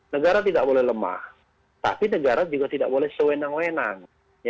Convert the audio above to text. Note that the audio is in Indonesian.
negara tidak boleh lemah tapi negara juga tidak boleh sewenang wenang